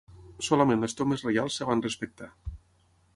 Solament les tombes reials es van respectar.